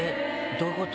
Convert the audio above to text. どういうこと？